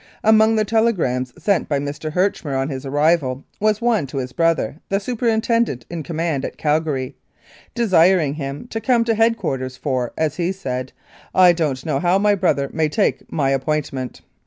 Among the telegrams sent by Mr. Herchmer on his arrival was one to his brother, the superintendent in command at Calgary, desiring him to come to head quarters, for, as he said, "I don't know how my brother may take my appointment."